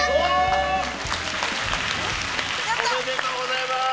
やった！おめでとうございます！